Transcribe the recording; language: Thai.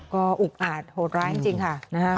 ก็อุกอาจโหดร้ายจริงค่ะ